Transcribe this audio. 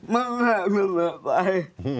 มึงอยากทำอะไรไป